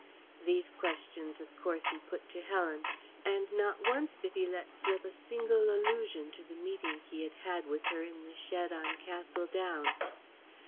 These questions of course he put to Helen, and not once did he let slip a single allusion to the meeting he had had with her in the shed on Castle Down.